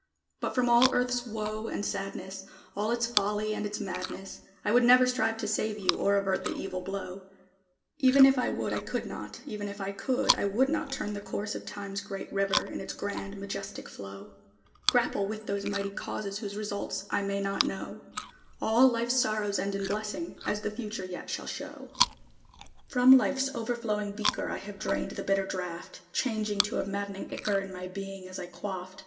But from all Earth's woe and sadness, All its folly and its madness, I would never strive to save you, or avert the evil blow; Even if I would, I could not, Even if I could, I would not Turn the course of Time's great river, in its grand, majestic flow; Grapple with those mighty causes whose results I may not know: All Life's sorrows end in blessing, as the future yet shall show. From Life's overflowing beaker I have drained the bitter draught, Changing to a maddening ichor in my being as I quaffed.